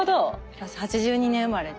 私８２年生まれで。